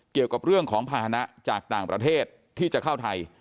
เกี่ยวกับเรื่องของภาษณะจากต่างประเทศที่จะเข้าไทย